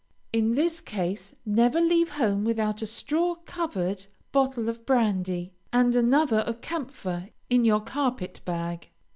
In this case, never leave home without a straw covered bottle of brandy, and another of camphor, in your carpet bag.